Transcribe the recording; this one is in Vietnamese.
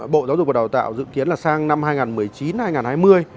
bộ giáo dục và đào tạo dự kiến là sang năm hai nghìn một mươi chín hai nghìn hai mươi